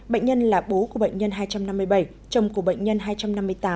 bệnh nhân là bố của bệnh nhân hai trăm năm mươi bảy chồng của bệnh nhân hai trăm năm mươi tám